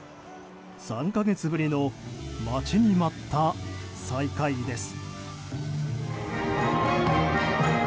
３か月ぶりの待ちに待った再開です。